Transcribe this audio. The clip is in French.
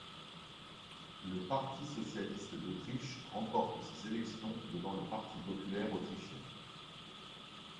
Le Parti socialiste d'Autriche remporte ces élections devant le Parti populaire autrichien.